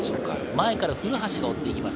前から古橋が追っています。